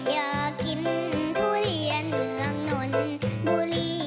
อยากกินทุเรียนเมืองนนบุรี